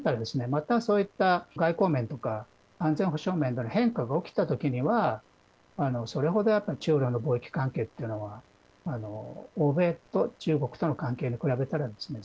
またそういった外交面とか安全保障面での変化が起きた時にはそれ程やっぱり中ロの貿易関係というのは欧米と中国との関係に比べたらですね